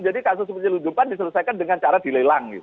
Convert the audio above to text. jadi kasus penyelundupan diselesaikan dengan cara dilelang